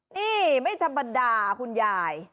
นี่ไม่ธรรมดาคุณยาย